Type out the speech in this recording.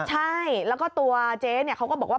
ใช่แล้วก็ตัวเจ๊เขาก็บอกว่า